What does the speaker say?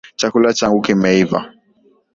Chakula changu kimeiva